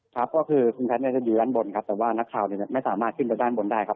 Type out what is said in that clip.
ครับก็คือคุณแพทย์จะอยู่ด้านบนครับแต่ว่านักข่าวไม่สามารถขึ้นไปด้านบนได้ครับ